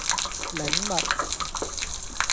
檸蜜